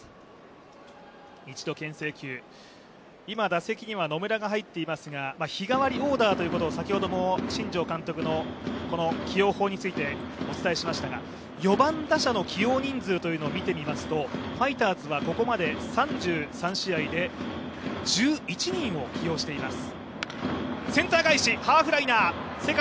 打席には野村が入っていますが、日替わりオーダーということを先ほども新庄監督の起用法についてお伝えしましたが４番打者の起用人数を見て見ますとファイターズはここまで３３試合で１１人を起用しています。